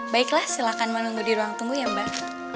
baiklah silakan menunggu di ruang tunggu ya mbak